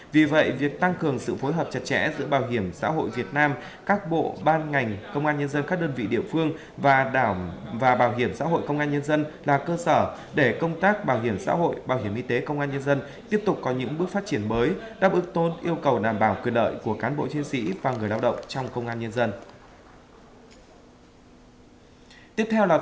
vì vậy việc tăng cường sự phối hợp chặt chẽ giữa bảo hiểm xã hội việt nam các bộ ban ngành công an nhân dân các đơn vị địa phương và bảo hiểm xã hội công an nhân dân là cơ sở để công tác bảo hiểm xã hội bảo hiểm y tế công an nhân dân tiếp tục có những bước phát triển mới đáp ứng tôn yêu cầu đảm bảo quyền đợi của cán bộ chiến sĩ và người lao động trong công an nhân dân